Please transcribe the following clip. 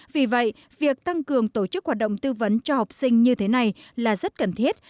vì vậy việc tăng cường tổ chức hoạt động tư vấn cho học sinh như thế này là rất cần thiết